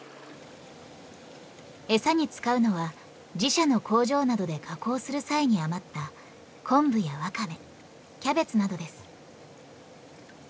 餌に使うのは自社の工場などで加工する際に余ったコンブやワカメキャベツなどです。